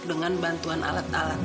dengan bantuan alat alatmu